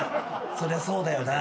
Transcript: そりゃそうだよな。